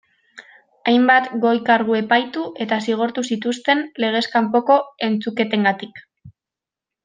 Hainbat goi kargu epaitu eta zigortu zituzten legez kanpoko entzuketengatik.